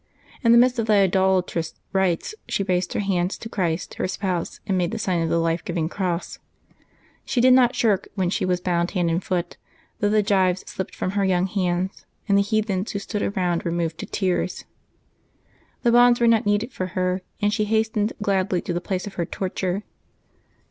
In the midst of the idolatrous rites she raised her hands to Christ, her Spouse, and made the sign of the life giving cross. She did not shrink when she was bound hand and foot, though the gjYes slipped from her young hands, and the heathens who stood around were moved to tears. The bonds w^ere not needed for her, and she hastened gladly to the place of her torture.